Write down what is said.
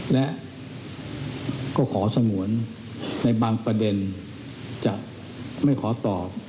และก็ขอสงวนในบางประเด็นจะไม่ขอตอบ